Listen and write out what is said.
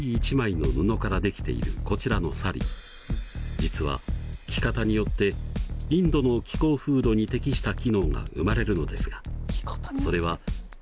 実は着方によってインドの気候風土に適した機能が生まれるのですがそれは一体どんな機能でしょうか？